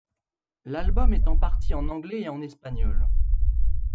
L'album est en partie en anglais et en espagnol.